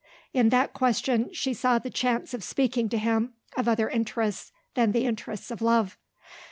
In that question she saw the chance of speaking to him of other interests than the interests of love.